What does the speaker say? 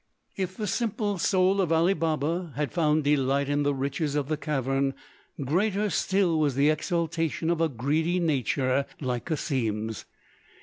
] If the simple soul of Ali Baba had found delight in the riches of the cavern, greater still was the exultation of a greedy nature like Cassim's.